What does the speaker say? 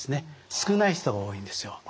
少ない人が多いんですよ。